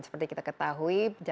seperti kita ketahui